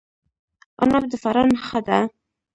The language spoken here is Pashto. عناب د فراه نښه ده.